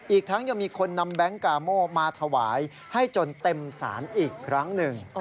อีกทั้งยังมีคนนำแบงค์กาโมมาถวายให้จนเต็มศาลอีกครั้งหนึ่ง